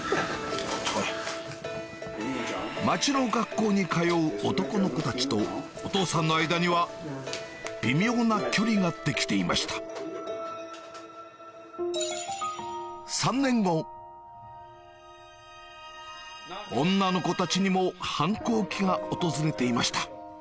町の学校に通う男の子たちとお父さんの間には微妙な距離ができていました３年後女の子たちにも反抗期が訪れていました